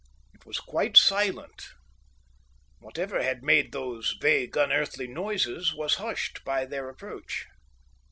It was quite silent. Whatever had made those vague, unearthly noises was hushed by their approach.